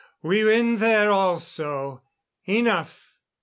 We win there, also! Enough!